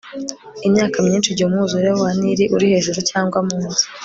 imyaka myinshi igihe umwuzure wa nili uri hejuru cyangwa munsi